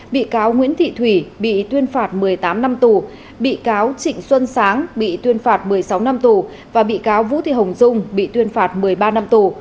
bị cáo nguyễn thị thủy bị tuyên phạt một mươi tám năm tù bị cáo trịnh xuân sáng bị tuyên phạt một mươi sáu năm tù và bị cáo vũ thị hồng dung bị tuyên phạt một mươi ba năm tù